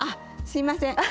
すいません！